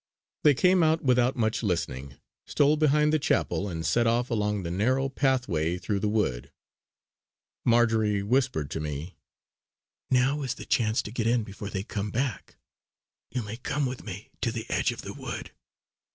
They came out without much listening, stole behind the chapel, and set off along the narrow pathway through the wood. Marjory whispered to me: "Now is my chance to get in before they come back. You may come with me to the edge of the wood.